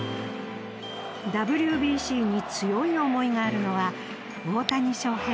ＷＢＣに強い思いがあるのは大谷翔平も一緒です。